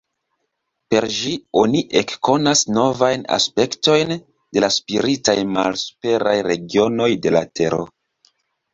Per ĝi oni ekkonas novajn aspektojn de la spiritaj malsuperaj regionoj de la Tero.